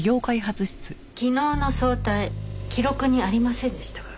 昨日の早退記録にありませんでしたが。